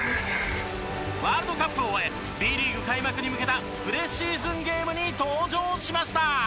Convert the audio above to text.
ワールドカップを終えＢリーグ開幕に向けたプレシーズンゲームに登場しました！